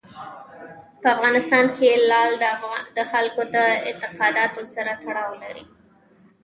په افغانستان کې لعل د خلکو د اعتقاداتو سره تړاو لري.